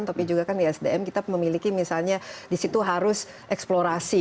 tapi juga kan di sdm kita memiliki misalnya di situ harus eksplorasi